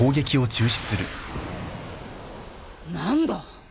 何だ？